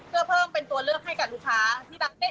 เพื่อเพิ่มเป็นตัวเลือกให้กับลูกค้าที่รัก